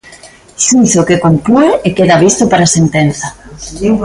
Xuízo que conclúe e queda visto para sentenza.